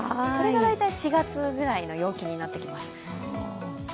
これが大体４月ぐらいの陽気になってきます。